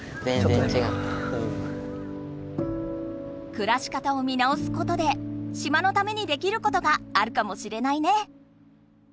くらし方を見直すことで島のためにできることがあるかもしれないね。